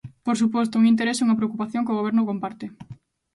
Por suposto, é un interese e unha preocupación que o Goberno comparte.